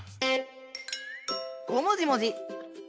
ごもじもじ！